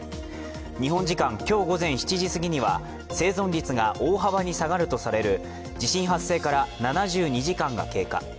日本時間今日午前７時すぎには生存率が大幅に下がるとされる地震発生から７２時間が経過。